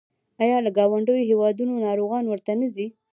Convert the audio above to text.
آیا له ګاونډیو هیوادونو ناروغان ورته نه ځي؟